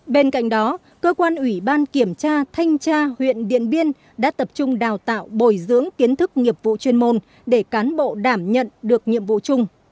bên cạnh đó cơ quan ủy ban kiểm tra thanh tra huyện điện biên đã tập trung đào tạo bồi dưỡng kiến thức nghiệp vụ chuyên môn để cán bộ đảm nhận được nhiệm vụ chung